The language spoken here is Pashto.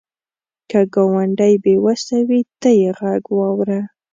که ګاونډی بې وسه وي، ته یې غږ واوره